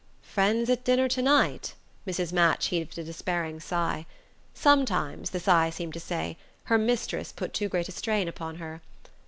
"Friends at dinner to night?" Mrs. Match heaved a despairing sigh. Sometimes, the sigh seemed to say, her mistress put too great a strain upon her.